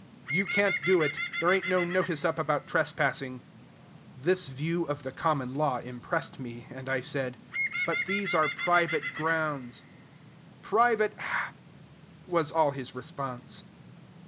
"You can't do it: there ain't no notice up about trespassing." This view of the common law impressed me; and I said, "But these are private grounds." "Private h !" was all his response.